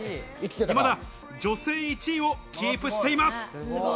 いまだ女性１位をキープしています。